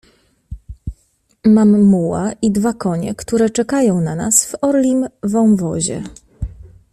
"Mam muła i dwa konie, które czekają na nas w Orlim Wąwozie."